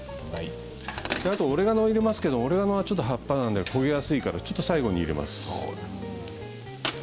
オレガノを入れますけれどオレガノは葉っぱで焦げやすいので最後に入れます。